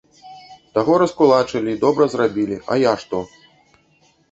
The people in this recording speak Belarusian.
Таго раскулачылі і добра зрабілі, а я што?